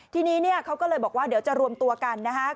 ทีนี้เขาก็เลยบอกว่าเดี๋ยวจะรวมตัวกันนะฮะ